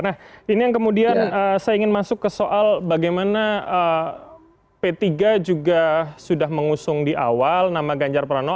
nah ini yang kemudian saya ingin masuk ke soal bagaimana p tiga juga sudah mengusung di awal nama ganjar pranowo